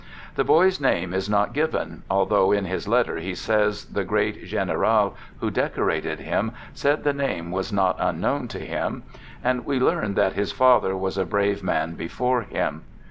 The boy's name is not given, although in his letter he says the great general who decorated him said the name was not unknown to him, and we learn that his father was a brave man before him.